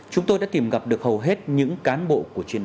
chúng tôi đã tìm gặp được hầu hết những cán bộ của chuyên án